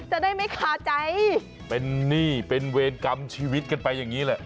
จะได้ไม่คาใจเป็นหนี้เป็นเวรกรรมชีวิตกันไปอย่างนี้แหละ